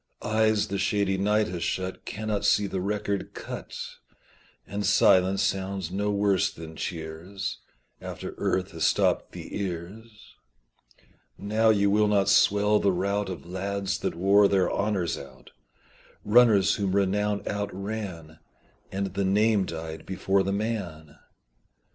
Eyes the shady night has shut Cannot see the record cut, And silence sounds no worse than cheers After earth has stopped the ears: Now you will not swell the rout Of lads that wore their honours out, Runners whom renown outran And the name died before the man.